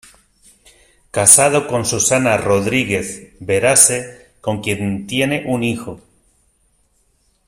Casado con Susana Rodríguez Varese con quien tienen un hijo.